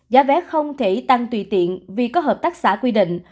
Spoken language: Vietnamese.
giá vé không thể tăng tùy tiện vì có hợp tác xã quy định